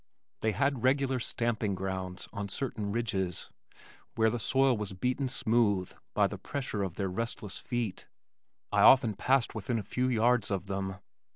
They had regular "stamping grounds" on certain ridges, Where the soil was beaten smooth by the pressure of their restless feet. I often passed within a few yards of them.